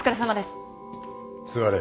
座れ。